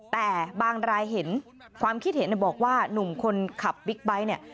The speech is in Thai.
แต่บางรายเห็นความคิดเห็นบอกว่าหนุ่มคนขับบิ๊กไบท์เนี่ย